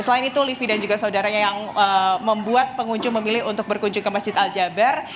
selain itu livi dan juga saudaranya yang membuat pengunjung memilih untuk berkunjung ke masjid al jabar